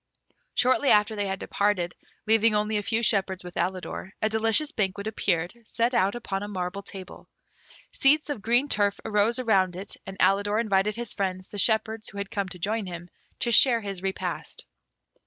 Shortly after they had departed, leaving only a few shepherds with Alidor, a delicious banquet appeared, set out upon a marble table. Seats of green turf arose around it, and Alidor invited his friends, the shepherds who had come to join him, to share his repast.